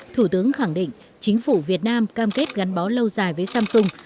thủ tướng khẳng định chính phủ việt nam cam kết gắn bó lâu dài với samsung